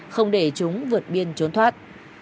không để chúng vượt biên trốn thoát